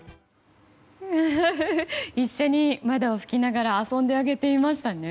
一緒に窓を拭きながら遊んであげていましたね。